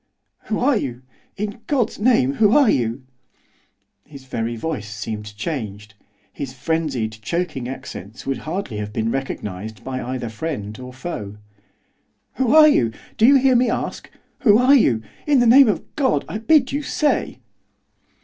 'Who are you? In God's name, who are you?' His very voice seemed changed; his frenzied, choking accents would hardly have been recognised by either friend or foe. 'Who are you? Do you hear me ask, who are you? In the name of God, I bid you say!